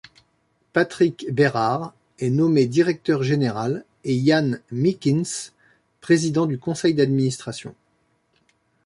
Patrick Berard est nommé Directeur général et Ian Meakins Président du Conseil d'administration.